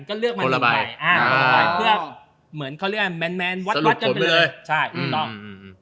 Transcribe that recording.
ก็เลือกมาหนึ่งใบอ่าเหมือนเขาเลือกแมนแมนสรุปผลไปเลยใช่อืมต้อง